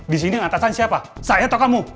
disini yang atasan siapa saya atau kamu